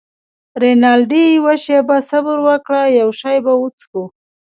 رینالډي: یوه شیبه صبر وکړه، یو شی به وڅښو.